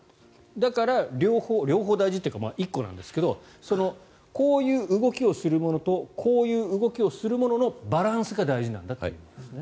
だから、両方大事というか１個なんですけどこういう動きをするものとこういう動きをするもののバランスが大事なんだということですね。